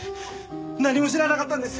何も知らなかったんです！